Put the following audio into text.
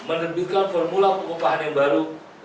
kami meminta pemerintah untuk mengubah pengupahan di jawa timur ini